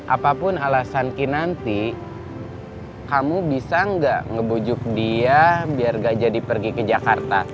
apapun alasan kinanti kamu bisa gak ngebujuk dia biar gak jadi pergi ke jakarta